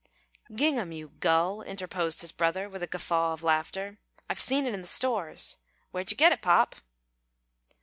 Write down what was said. "Gingham, you gull," interposed his brother, with a guffaw of laughter. "I've seen it in the stores. Where'd you get it, pop?"